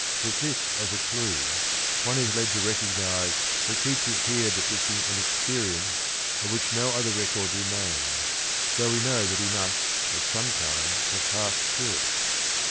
With this as a clue one is led to recognise that Keats is here depict ing an experience of which no other record remains,' though we know that he must at some time have passed through it.